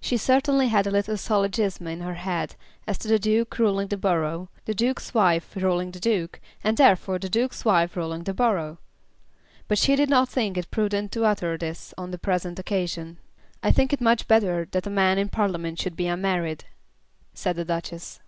She certainly had a little syllogism in her head as to the Duke ruling the borough, the Duke's wife ruling the Duke, and therefore the Duke's wife ruling the borough; but she did not think it prudent to utter this on the present occasion. "I think it much better that men in Parliament should be unmarried," said the Duchess.